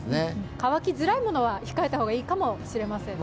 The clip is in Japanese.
乾きづらいものは控えた方がいいかもしれませんね。